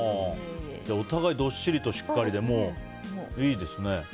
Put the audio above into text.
お互い、どっしりとしっかりでもう、いいですね。